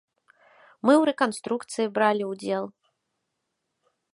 Мы ў рэканструкцыі бралі ўдзел.